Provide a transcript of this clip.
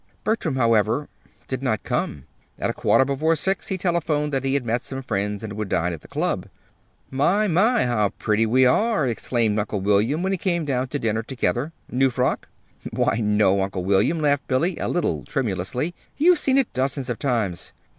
Bertram, however, did not come. At a quarter before six he telephoned that he had met some friends, and would dine at the club. "My, my, how pretty we are!" exclaimed Uncle William, when they went down to dinner together. "New frock?" "Why, no, Uncle William," laughed Billy, a little tremulously. "You've seen it dozens of times!"